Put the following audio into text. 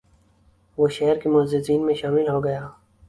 وہ شہر کے معززین میں شامل ہو گیا